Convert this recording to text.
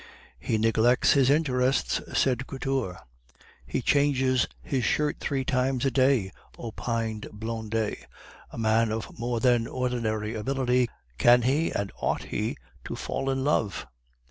"He neglects his interests," said Couture. "He changes his shirt three times a day," opined Blondet; "a man of more than ordinary ability, can he, and ought he, to fall in love?"